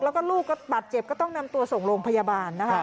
แล้วก็ลูกบัตรเจ็บก็ต้องนำตัวส่งลงพยาบาล